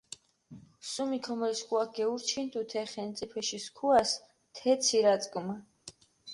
სუმი ქომოლ სქუაქ გეურჩქინდუ თე ხენწიფეში სქუას თე ცირაწკჷმა.